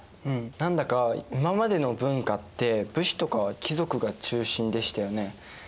うん何だか今までの文化って武士とか貴族が中心でしたよね。